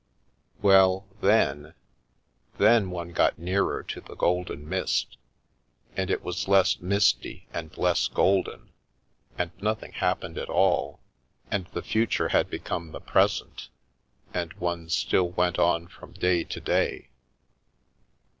Well — then — then one got nearer to the golden mist, and it was less misty and less golden, and nothing hap pened at all, and the future had become the present, and one still went on from day to day.